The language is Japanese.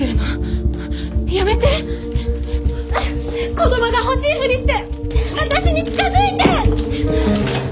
子供が欲しいふりして私に近づいて！